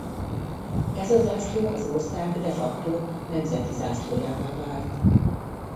Ez a zászló az ország de facto nemzeti zászlójává vált.